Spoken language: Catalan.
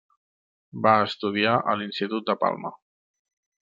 Va estudiar a l'Institut de Palma.